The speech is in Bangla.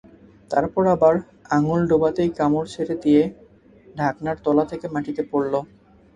তারপর আবার আঙুল ডুবাতেই কামড় ছেড়ে দিয়ে ঢাকনার তলা থেকে মাটিতে পড়ল।